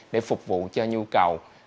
để phục vụ cho nhu cầu